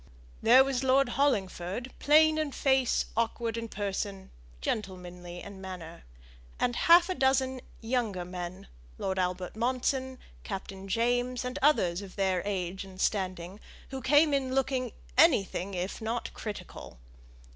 There was Lord Hollingford, plain in face, awkward in person, gentlemanly in manner; and half a dozen younger men, Lord Albert Monson, Captain James, and others of their age and standing, who came in looking anything if not critical.